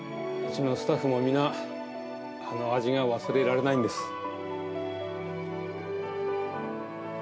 うちのスタッフも皆、あの味が忘れられないんです。